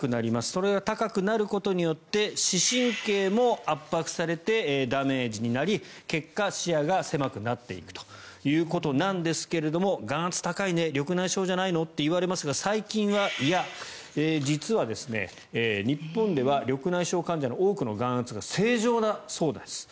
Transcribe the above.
それが高くなることによって視神経も圧迫されてダメージになり結果、視野が狭くなっていくということなんですが眼圧高いね緑内障じゃないの？と言われますが最近は、いや、実は日本では緑内障患者の多くの眼圧が正常だそうです。